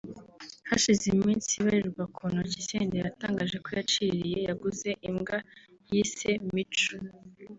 Hashize iminsi ibarirwa ku ntoki Senderi atangaje ko yaciririye [yaguze] imbwa yise ‘Mico’